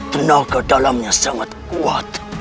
tenaga dalamnya sangat kuat